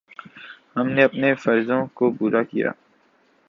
ہم نے اپنے فرضوں کو پورا کیا۔